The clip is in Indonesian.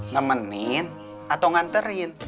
nemenin atau nganterin